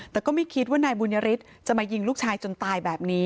แต่ก็ไม่คิดว่านายบุญยฤทธิ์จะมายิงลูกชายจนตายแบบนี้